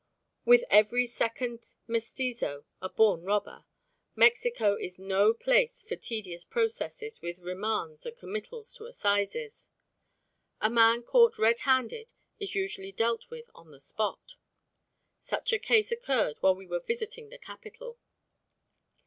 With every second mestizo a born robber, Mexico is no place for tedious processes with remands and committals to Assizes. A man caught red handed is usually dealt with on the spot. Such a case occurred while we were visiting the capital.